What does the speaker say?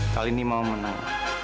kali ini mama menang